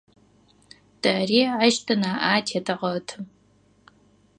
Тэри ащ тынаӏэ атетэгъэты.